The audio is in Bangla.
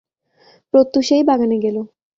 প্রত্যুষেই বাগানে গেল।